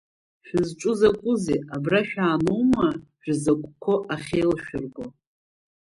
Шәызҿу закәызеи абра шәааноума шәзакәқәоу ахьеилшәырго.